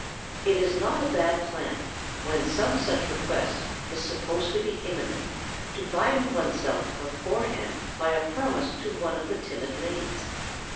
It is not a bad plan when some such request is supposed to be imminent to bind oneself beforehand by a promise to one of the timid ladies.